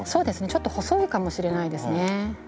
ちょっと細いかもしれないですね。